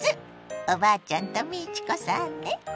おばあちゃんと美智子さんね！